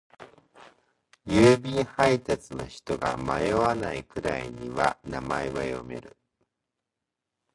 郵便配達の人が迷わないくらいには名前は読める。